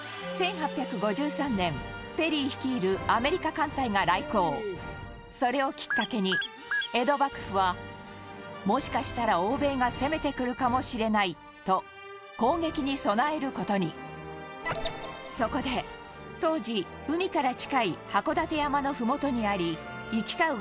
１８５３年、ペリー率いるアメリカ艦隊が来航それをきっかけに江戸幕府はもしかしたら欧米が攻めてくるかもしれないと攻撃に備える事にそこで、当時海から近い函館山の麓にあり行き交う